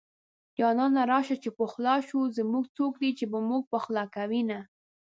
جانانه راشه چې پخلا شو زمونږه څوک دي چې به مونږ پخلا کوينه